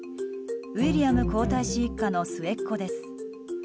ウィリアム皇太子一家の末っ子です。